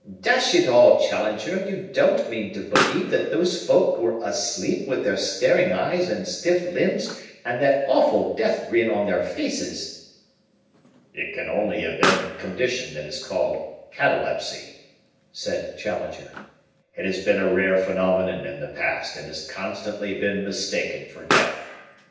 "Dash it all, Challenger, you don't mean to believe that those folk were asleep with their staring eyes and stiff limbs and that awful death grin on their faces!" "It can only have been the condition that is called catalepsy," said Challenger. "It has been a rare phenomenon in the past and has constantly been mistaken for death.